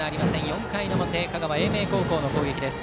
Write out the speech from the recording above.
４回の表、香川・英明の攻撃です。